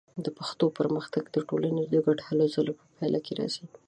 د پښتو پرمختګ د ټولنې د ګډو هلو ځلو په پایله کې راځي.